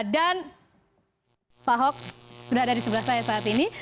dan pak ahok sudah ada di sebelah saya saat ini